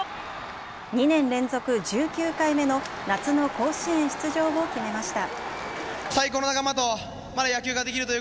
２年連続、１９回目の夏の甲子園出場を決めました。